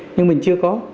nhưng mình chưa có